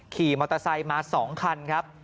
ขี่มอเตอร์ไซค์มา๒คันครับ